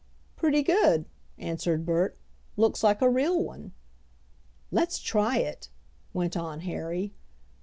"Pretty good," answered Bert; "looks like a real one." "Let's try it!" went on Harry.